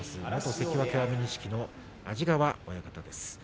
関脇安美錦の安治川親方です。